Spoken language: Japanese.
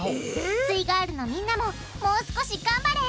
すイガールのみんなももう少し頑張れ！